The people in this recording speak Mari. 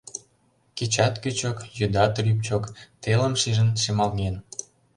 Кечат кӱчык, йӱдат рӱпчык, телым шижын шемалген.